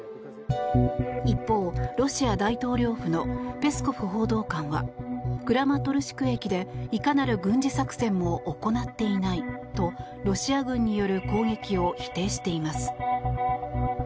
一方、ロシア大統領府のペスコフ報道官はクラマトルシク駅でいかなる軍事作戦も行っていないとロシア軍による攻撃を否定しています。